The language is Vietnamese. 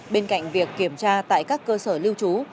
bên cạnh việc kiểm tra tại các cơ sở lưu trú